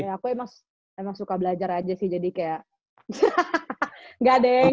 aku emang suka belajar aja sih jadi kayak gak ada yang